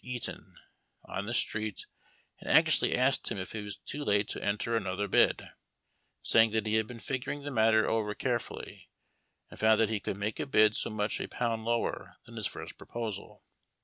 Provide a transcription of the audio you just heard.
Eaton — on the street, and anxiously asked him if it was too late to enter another bid, saying that he had been figuring the matter over carefully, and found that he could make a bid so much a pound lower than his first proposal.